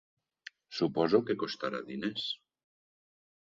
Suposo que costarà diners?